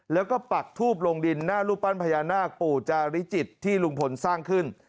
แล้วก็ปักทูบลงดินหน้ารูปปั้นพญานาคปู่จาริจิตที่ลุงพลสร้างขึ้น